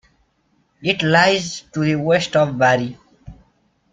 It lies to the west of Bari.